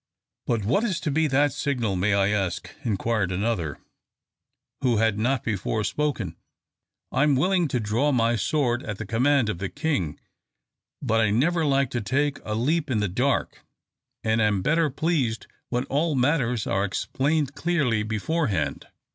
"But what is to be that signal, may I ask?" inquired another, who had not before spoken. "I am willing to draw my sword at the command of the King, but I never like to take a leap in the dark, and am better pleased when all matters are explained clearly beforehand."